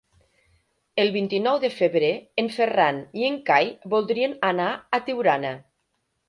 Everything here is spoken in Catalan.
El vint-i-nou de febrer en Ferran i en Cai voldrien anar a Tiurana.